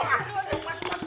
masuk masuk masuk